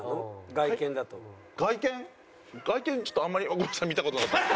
外見ちょっとあんまりごめんなさい見た事なかった。